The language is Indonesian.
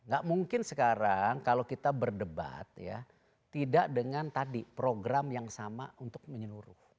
gak mungkin sekarang kalau kita berdebat ya tidak dengan tadi program yang sama untuk menyeluruh